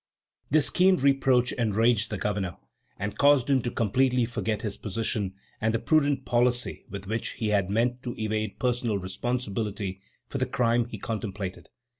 This keen reproach enraged the governor, and caused him to completely forget his position, and the prudent policy with which he had meant to evade personal responsibility for the crime he contemplated.